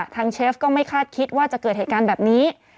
เชฟก็ไม่คาดคิดว่าจะเกิดเหตุการณ์แบบนี้